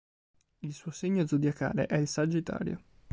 Il suo segno zodiacale è il Sagittario.